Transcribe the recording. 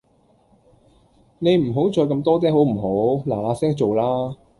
你唔好再咁多嗲好唔好，嗱嗱聲做啦